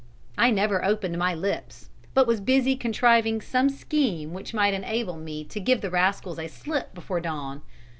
I never opened my lips, but was busy contriving some scheme which might enable me to give the rascals a slip before dawn.